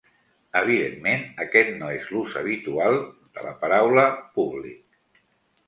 Evidentment, aquest no és l'ús habitual de la paraula, públic.